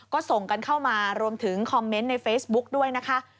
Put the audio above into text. ก็ส่งกันเข้ามารวมถึงคอมเมนต์ในเฟซบุ๊กด้วยนะคะ